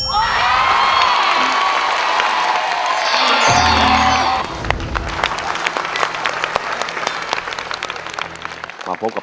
ขอเพียงคุณสามารถที่จะเอ่ยเอื้อนนะครับ